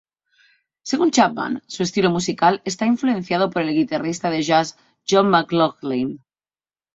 Según Chapman, su estilo musical está influenciado por el guitarrista de jazz John McLaughlin.